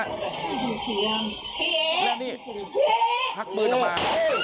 แล้วนี่พักปืนเข้ามา